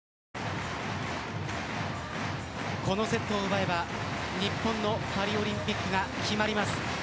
このセットを奪えば日本のパリオリンピックが決まります。